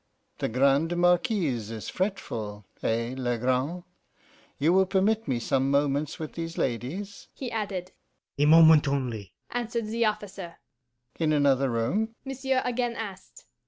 The Grande Marquise is fretful eh, Legrand? You will permit me some moments with these ladies?' he added. 'A moment only,' answered the officer. 'In another room?' monsieur again asked.